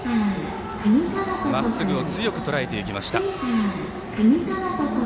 まっすぐを強く、とらえていきました。